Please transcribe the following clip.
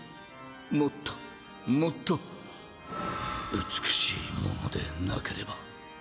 もっともっと美しいものでなければ。